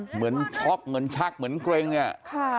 เหมือนต้องงานเลี่ยว๓